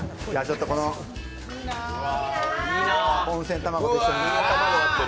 温泉卵と一緒に。